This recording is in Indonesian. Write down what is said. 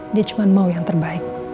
dia cuma mau yang terbaik